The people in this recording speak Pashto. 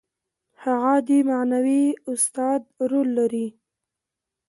هغه د معنوي استاد رول لري.